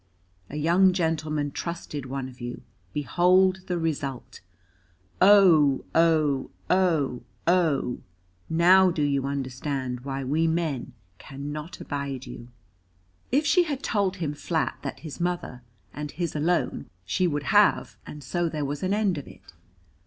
A young gentleman trusted one of you; behold the result. O! O! O! O! now do you understand why we men cannot abide you? If she had told him flat that his mother, and his alone, she would have, and so there was an end of it.